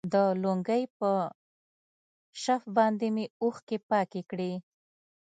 د لونګۍ په شف باندې مې اوښكې پاكې كړي.